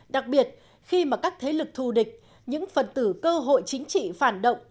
đặc biệt khi mà các thế lực thù địch những phần tử cơ hội chính trị phản động